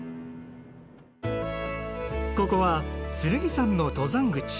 ここは剣山の登山口。